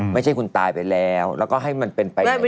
ไม่ใช่คุณตายไปแล้วแล้วก็ให้มันเป็นไปยังไง